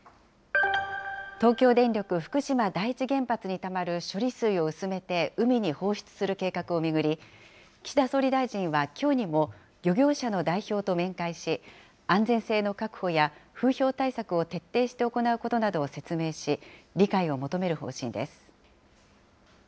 東京電力福島第一原発にたまる処理水を薄めて、海に放出する計画を巡り、岸田総理大臣はきょうにも、漁業者の代表と面会し、安全性の確保や、風評対策を徹底して行うことなどを説明し、理解を求める方針です。